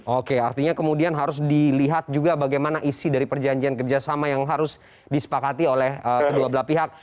oke artinya kemudian harus dilihat juga bagaimana isi dari perjanjian kerjasama yang harus disepakati oleh kedua belah pihak